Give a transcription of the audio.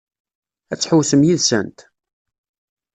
Ad tḥewwsem yid-sent?